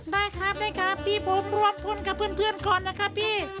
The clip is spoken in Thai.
ได้ครับได้ครับพี่ผมรวมพลกับเพื่อนก่อนนะครับพี่